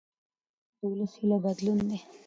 د ولس هیله بدلون دی